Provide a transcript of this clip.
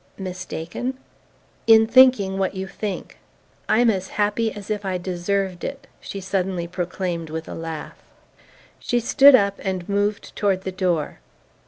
"Mistaken ?" "In thinking what you think. I'm as happy as if I deserved it!" she suddenly proclaimed with a laugh. She stood up and moved toward the door.